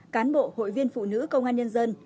cán bộ hội viên phụ nữ công an nhân dân